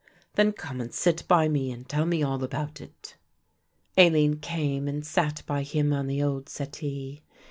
"Then come and sit by me and tell me all about it." Aline came and sat by him on the old settee.